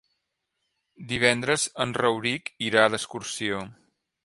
Divendres en Rauric irà d'excursió.